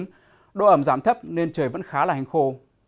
nhưng độ ẩm giảm thấp nên trời vẫn khá là hành khô